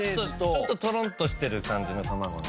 ちょっととろんとしてる感じの卵の。